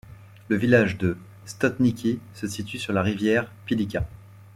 Le village de Skotniki se situe sur la rivière Pilica.